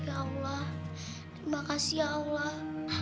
ya allah terima kasih allah